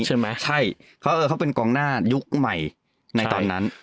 เพราะเขาเป็นกองหน้ายุคใหม่ในตอนนั้น